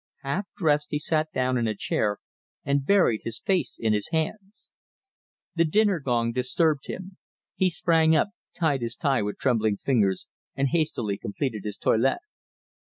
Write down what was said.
Half dressed he sat down in a chair and buried his face in his hands. The dinner gong disturbed him. He sprang up, tied his tie with trembling fingers, and hastily completed his toilet.